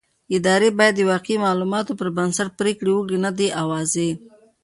ادارې بايد د واقعي معلوماتو پر بنسټ پرېکړې وکړي نه د اوازې.